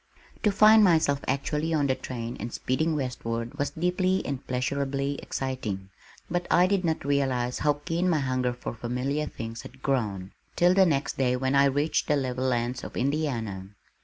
To find myself actually on the train and speeding westward was deeply and pleasurably exciting, but I did not realize how keen my hunger for familiar things had grown, till the next day when I reached the level lands of Indiana.